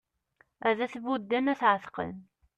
Ad t-budden ad t-εetqen